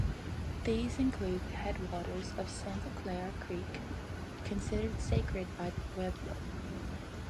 These include the headwaters of Santa Clara Creek, considered sacred by the Pueblo.